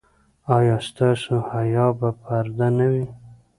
ایا ستاسو حیا به پرده نه وي؟